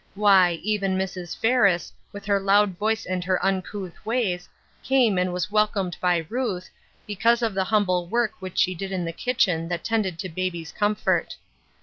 Why, even Mrs. Ferris, with her loud voice and her uncouth ways, came and was welcomed by Ruth, because of the humble work which she did in the kitchen that tended to baby's comfort.